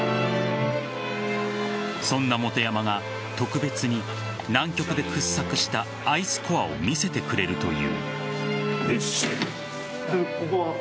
そんな本山が特別に南極で掘削したアイスコアを見せてくれるという。